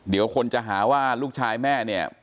เดี๋ยวคนจะหาว่าลูกชายแม่เนี่ย